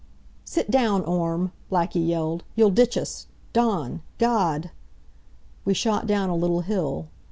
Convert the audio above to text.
"Sit down, Orme!" Blackie yelled. "You'll ditch us! Dawn! God! " We shot down a little hill.